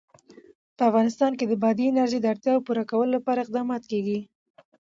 په افغانستان کې د بادي انرژي د اړتیاوو پوره کولو لپاره اقدامات کېږي.